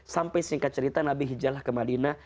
sampai singkat cerita nabi hijalah ke madinah